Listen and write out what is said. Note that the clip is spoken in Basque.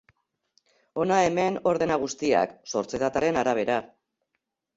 Hona hemen ordena guztiak, sortze dataren arabera.